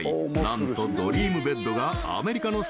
なんとドリームベッドがアメリカの